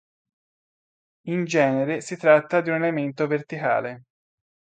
In genere si tratta di un elemento verticale.